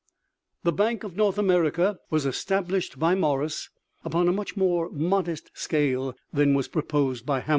The Bank of North America was established by Morris upon a much more modest scale than was proposed by Hamilton.